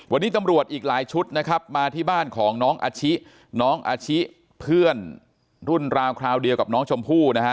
วันนี้ตำรวจอีกหลายชุดนะครับมาที่บ้านของน้องอาชิน้องอาชิเพื่อนรุ่นราวคราวเดียวกับน้องชมพู่นะฮะ